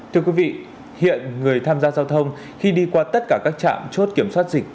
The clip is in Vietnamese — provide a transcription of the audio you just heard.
thưa quý vị hiện người tham gia giao thông khi đi qua tất cả các trạm chốt kiểm soát dịch